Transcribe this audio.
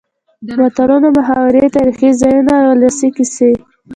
متلونه ،محاورې تاريخي ځايونه ،ولسي کسې.